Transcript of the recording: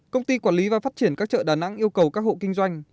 công ty quản lý và phát triển các chợ đà nẵng yêu cầu các hộ kinh doanh